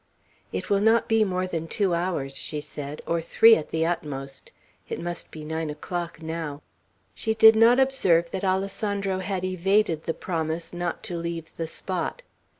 "It will not be more than two hours," she said, "or three, at the utmost. It must be nine o'clock now." She did not observe that Alessandro had evaded the promise not to leave the spot.